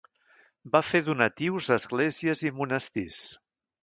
Va fer donatius a esglésies i monestirs.